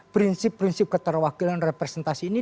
prinsip prinsip keterwakilan representasi ini